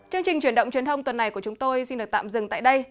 chương trình chuyển động truyền thông tuần này của chúng tôi xin được tạm dừng tại đây